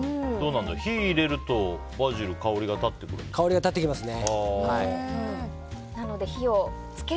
火を入れるとバジルって香りが立ってくるんですか？